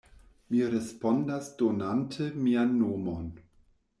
Mi respondas donante mian nomon.